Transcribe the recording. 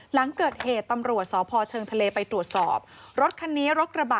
หลังเกิดเหตุตำรวจสพเชิงทะเลไปตรวจสอบรถคันนี้รถกระบะ